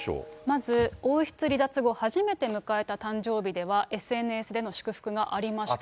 まず、王室離脱後初めて迎えた誕生日では、ＳＮＳでの祝福がありました。